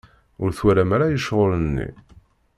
Ur twalem ara i ccɣel-nni.